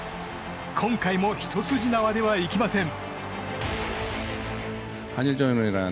今回もひと筋縄ではいきません。